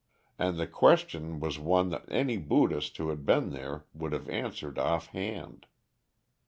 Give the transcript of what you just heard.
And the question was one that any Buddhist who had been there would have answered offhand.